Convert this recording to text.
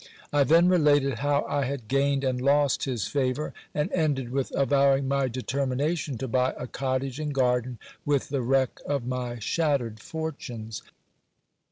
I then related how I had gained and lost his favour, and ended with avowing my determination to buy a cottage and garden with the wreck of my shattered fortunes.